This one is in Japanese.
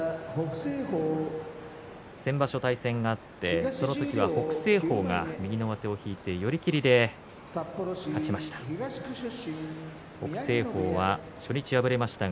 先場所対戦があって、その時は北青鵬が右の上手を引いて寄り切りで勝ちました。